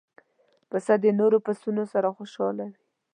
پسه د نور پسونو سره خوشاله وي.